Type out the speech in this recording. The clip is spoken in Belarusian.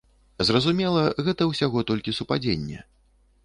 Зразумела, гэта ўсяго толькі супадзенне.